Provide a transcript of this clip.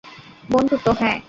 বন্ধুত্ব, হ্যাঁ।